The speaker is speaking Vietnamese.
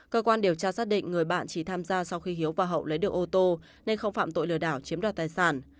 cơ quan điều tra xác định người bạn chỉ tham gia sau khi hiếu và hậu lấy được ô tô nên không phạm tội lừa đảo chiếm đoạt tài sản